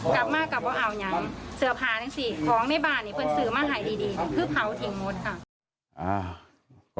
กลับมากับว่าเอาอย่างเสื้อผ้าทั้งสี่ของในบ้านเนี่ยคุณซื้อมาให้ดีเพื่อเผาถึงหมดค่ะ